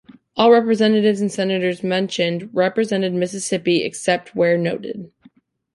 All representatives and senators mentioned represented Mississippi except where noted.